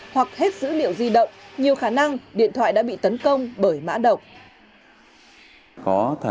hoặc hết dữ liệu di động nhiều khả năng điện thoại đã bị tấn công bởi mã độc